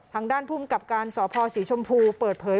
ทางด้านภูมิกับการสพศรีชมพูเปิดเผย